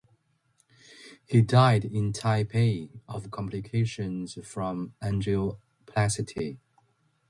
He died in Taipei of complications from angioplasty.